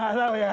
gak tau ya